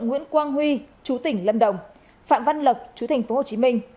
nguyễn quang huy chú tỉnh lâm đồng phạm văn lập chú tỉnh phố hồ chí minh